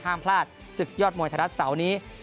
ห้ามพลาดศึกยอดมวยธรรมนี้